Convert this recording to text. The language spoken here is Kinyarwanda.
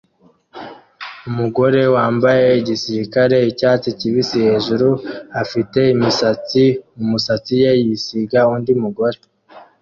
Umugore wambaye igisirikare-icyatsi kibisi hejuru afite imisatsi mumisatsi ye yisiga undi mugore